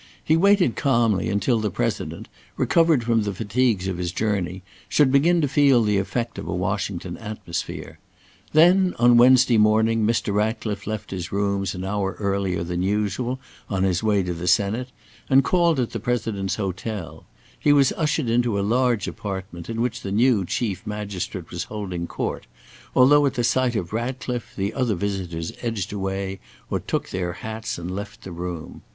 He waited calmly until the President, recovered from the fatigues of his journey, should begin to feel the effect of a Washington atmosphere. Then on Wednesday morning, Mr. Ratcliffe left his rooms an hour earlier than usual on his way to the Senate, and called at the President's Hotel: he was ushered into a large apartment in which the new Chief Magistrate was holding court, although at sight of Ratcliffe, the other visitors edged away or took their hats and left the room.